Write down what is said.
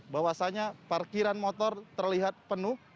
bahwasannya parkiran motor terlihat penuh